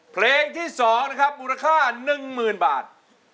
เพลงที่๒นะครับมูลค่า๑๐๐๐บาท